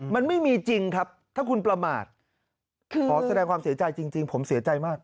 มันไม่มีจริงครับถ้าคุณประมาทขอแสดงความเสียใจจริงผมเสียใจมาก